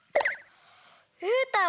うーたん